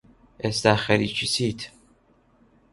ئێستا خەریکی چیت؟